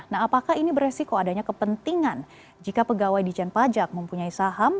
nah apakah ini beresiko adanya kepentingan jika pegawai dijen pajak mempunyai saham